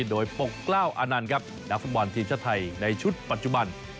โดยปรับกล้าวอานัลนะครับนักสมบันทีมชาติไทยในชุดปัจจุบัน